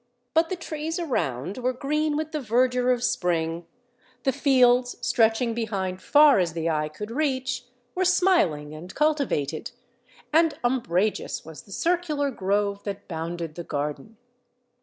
But the trees around were green with the verdure of Spring; the fields, stretching behind far as the eye could reach, were smiling and cultivated; and umbrageous was the circular grove that bounded the garden.